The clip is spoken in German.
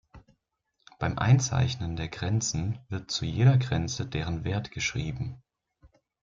Beim Einzeichnen der Grenzen wird zu jeder Grenze deren Wert geschrieben.